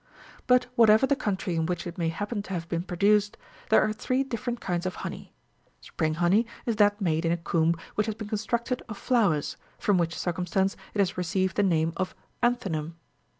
But whatever the country in which it may happen to have been produced, there are three different kinds of honey. — Spring honey34 is that made in a comb which has been constructed of flowers, from wThich circumstance it has received the name of an thinum.